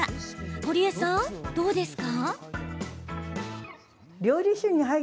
堀江さん、どうですか？